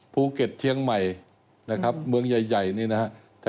ภูเก็ตเชียงใหม่มืองใหญ่นี่นะครับ